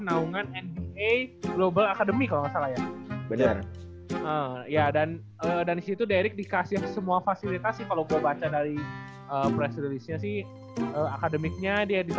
mungkin gue bakal beli jersey ori nya kali ya